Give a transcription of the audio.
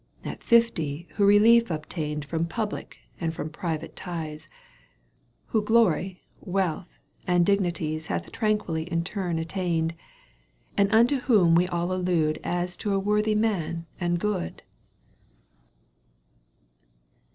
At fifty who relief obtained From public and from private ties, Who glory, wealth and dignities Hath tranquilly in turn attained. And unto whom we all allude As to a worthy man and good